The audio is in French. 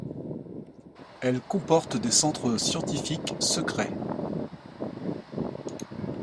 Elle comporte des centres scientifiques secrets.